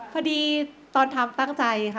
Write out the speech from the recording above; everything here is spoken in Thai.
พอดีตอนทำตั้งใจค่ะ